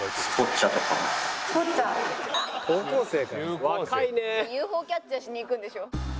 ＵＦＯキャッチャーしに行くんでしょ。